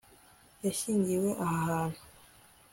yashyingiwe aha hantu